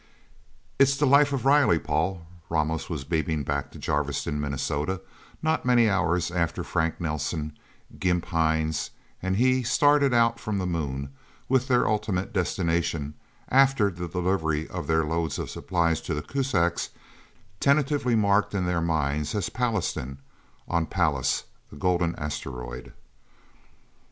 V "It's the life of Reilly, Paul," Ramos was beaming back to Jarviston, Minnesota, not many hours after Frank Nelsen, Gimp Hines and he started out from the Moon, with their ultimate destination after the delivery of their loads of supplies to the Kuzaks tentatively marked in their minds as Pallastown on Pallas, the Golden Asteroid.